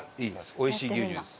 美味しい牛乳です。